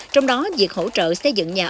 trong đó việc hỗ trợ xây dựng nhà ở